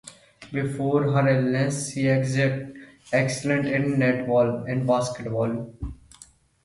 Before her illness, she excelled in netball and basketball.